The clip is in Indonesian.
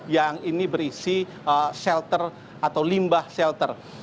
yang ini berisi shelter atau limbah shelter